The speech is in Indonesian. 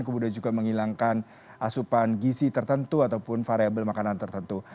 kemudian juga menghilangkan asupan gizi tertentu ataupun variable makanan tertentu